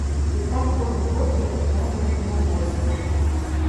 Віталь кожны год прыязджае да мяне ў госці.